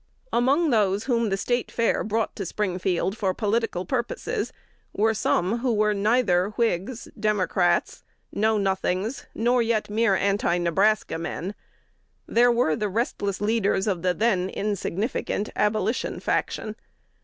Among those whom the State Fair brought to Springfield for political purposes, were some who were neither Whigs, Democrats, Know Nothings, nor yet mere Anti Nebraska men: there were the restless leaders of the then insignificant Abolition faction.